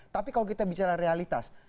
tapi kalau kita bicara realitas